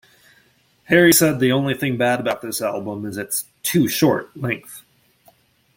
Harry said the only thing bad about this album is its "too short" length.